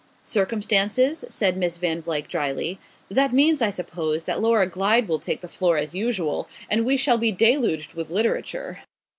"Circumstances?" said Miss Van Vluyck drily. "That means, I suppose, that Laura Glyde will take the floor as usual, and we shall be deluged with literature."